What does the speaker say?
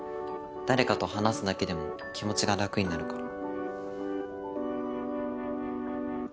誰かと話すだけでも気持ちが楽になるから。